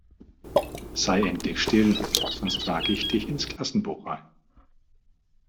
Sei endlich still, sonst trage ich dich ins Klassenbuch ein!